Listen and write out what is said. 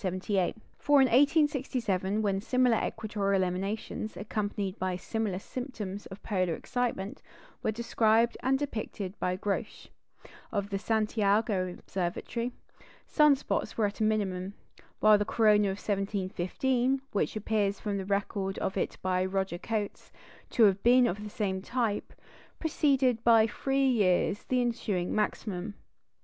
For in August, 1867, when similar equatorial emanations, accompanied by similar symptoms of polar excitement, were described and depicted by Grosch of the Santiago Observatory, sun spots were at a minimum; while the corona of 1715, which appears from the record of it by Roger Cotes to have been of the same type, preceded by three years the ensuing maximum.